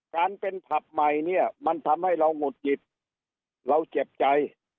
การเป็นผับใหม่มันทำให้เรางดจิตเราเจ็บใจ